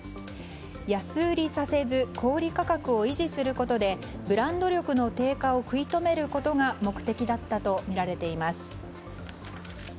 安売りさせず小売価格を維持することでブランド力の低下を食い止めることが目的だったとみられています。